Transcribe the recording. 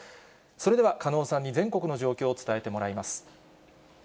それでは加納さんに全国の状況を伝えてもらいます。